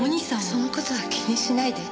その事は気にしないで。